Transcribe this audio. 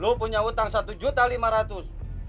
lo punya utang satu juta lima rupiahnya